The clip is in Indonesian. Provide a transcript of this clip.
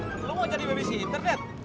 lah lo mau jadi babysitter net